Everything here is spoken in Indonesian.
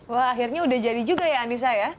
wah akhirnya udah jadi juga ya anissa ya